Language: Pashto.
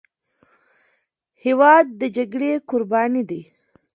هېواد د جګړې قرباني دی.